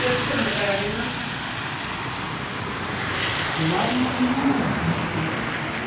終わりの見えない戦争。